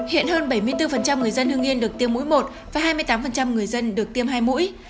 hiện hơn bảy mươi bốn người dân hương yên được tiêm mũi một và hai mươi tám người dân được tiêm hai mũi